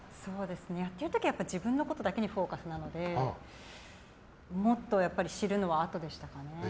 やっている時は自分のことだけにフォーカスなので知るのは、もっとあとでしたかね。